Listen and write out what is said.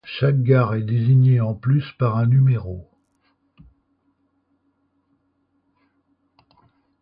Chaque gare est désignée en plus par un numéro.